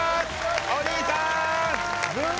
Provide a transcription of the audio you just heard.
お兄さーん！